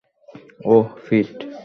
ওহ, পিট!